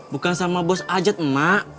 bukan sama bos ajat emak